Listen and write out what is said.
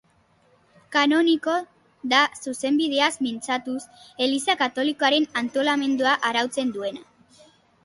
kanoniko, da zuzenbideaz mintzatuz, Eliza katolikoaren antolamendua arautzen duena.